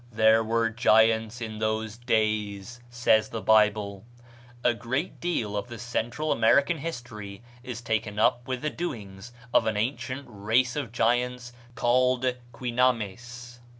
"There were giants in those days," says the Bible. A great deal of the Central American history is taken up with the doings of an ancient race of giants called Quinames.